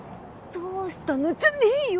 「どうしたの」じゃねえよ！